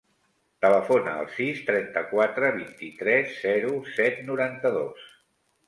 Telefona al sis, trenta-quatre, vint-i-tres, zero, set, noranta-dos.